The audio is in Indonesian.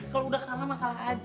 kalau udah kalah mah kalah aja